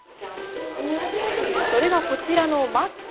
それがこちらのマット。